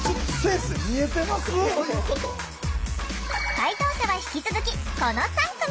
解答者は引き続きこの３組！